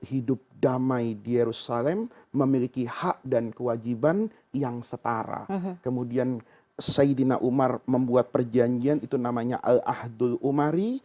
gapai kemuliaan akan kembali sesaat lagi